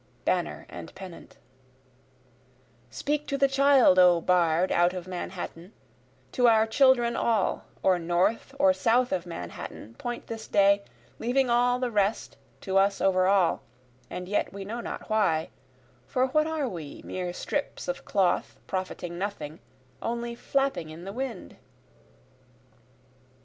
Banner and Pennant: Speak to the child O bard out of Manhattan, To our children all, or north or south of Manhattan, Point this day, leaving all the rest, to us over all and yet we know not why, For what are we, mere strips of cloth profiting nothing, Only flapping in the wind?